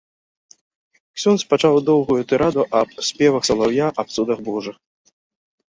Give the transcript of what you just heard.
Ксёндз пачаў доўгую тыраду аб спевах салаўя, аб цудах божых.